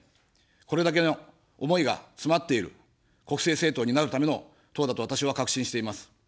これだけの思いが詰まっている、国政政党になるための党だと私は確信しています。